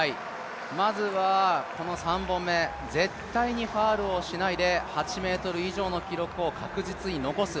まずはこの３本目、絶対にファウルをしないで８ｍ以上の記録を確実に残す。